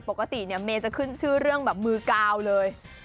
ปกติเมจะขึ้นชื่อเรื่องแบบมือกาวเลย